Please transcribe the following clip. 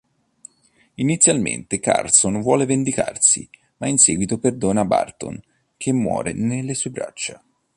Inizialmente Carson vuole vendicarsi, ma in seguito perdona Barton, che muore nelle sue braccia.